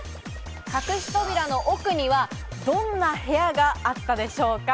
隠し扉の奥にはどんな部屋があったでしょうか？